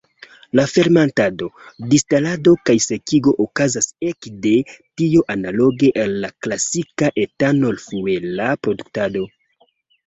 La fermentado, distilado kaj sekigo okazas ekde tio analoge al la klasika etanol-fuela produktado.